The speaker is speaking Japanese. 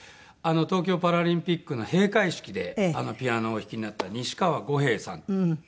東京パラリンピックの閉会式でピアノをお弾きになった西川悟平さん。